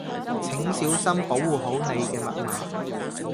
請小心保護好你嘅密碼